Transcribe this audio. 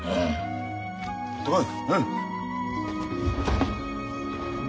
行ってこい。